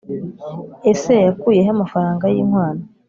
Ese yakuyehe amafaranga y’inkwano